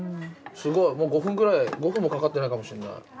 すごいもう５分くらい５分もかかってないかもしれない。